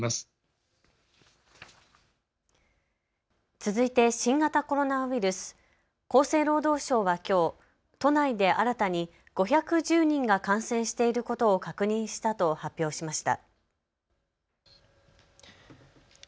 続いて新型コロナウイルス、厚生労働省はきょう都内で新たに５１０人が感染していることを確認したと発表しました。